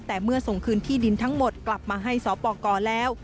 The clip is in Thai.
แต่เมื่อส่งคืนที่ดินทั้งหมดกลับมาให้สปกรแล้ว